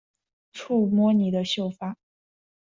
触摸你的秀发